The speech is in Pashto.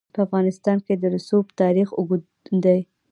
په افغانستان کې د رسوب تاریخ اوږد دی.